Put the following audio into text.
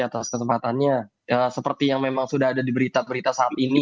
atas kesempatannya seperti yang memang sudah ada di berita berita saat ini